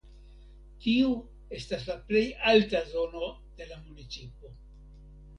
Tiu estas la plej alta zono de la municipo.